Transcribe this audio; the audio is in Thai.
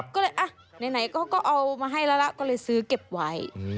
ก็เลยอ่ะไหนก็เอามาให้แล้วล่ะก็เลยซื้อเก็บไว้